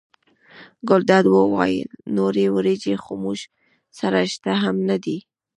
ګلداد وویل نورې وریجې خو موږ سره شته هم نه دي.